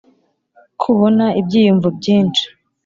kubona ibyiyumvo byinshi